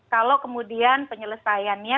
kalau kemudian penyelesaiannya